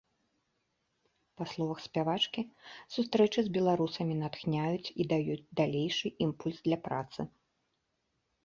Па словах спявачкі, сустрэчы з беларусамі натхняюць і даюць далейшы імпульс для працы.